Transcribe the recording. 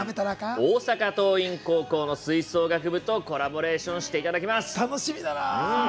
大阪桐蔭高校の吹奏楽部とコラボレーションしてくださいます